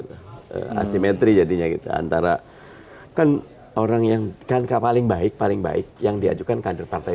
nah simetri jadinya kita antara kan orang yang kan paling baik paling yang diajukan kandil partai